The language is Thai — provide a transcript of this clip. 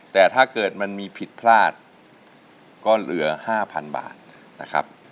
แต่ถ้าเกิดมันมีผิดพลาดก็เหลือ๕๐๐๐บาทนะครับ